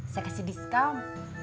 saya kasih diskaun